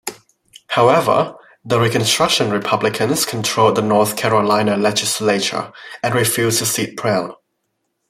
However, the Reconstruction Republicans controlled the North Carolina Legislature and refused to seat Brown.